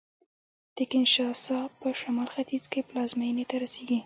د کینشاسا په شمال ختیځ کې پلازمېنې ته رسېږي